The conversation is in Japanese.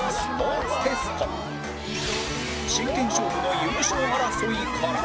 真剣勝負の優勝争いから